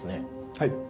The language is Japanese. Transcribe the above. はい。